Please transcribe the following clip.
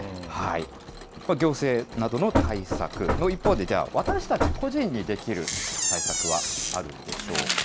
行政などの対策の一方で、じゃあ、私たち個人にできる対策はあるんでしょうか。